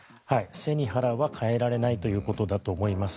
背に腹は代えられないということだと思います。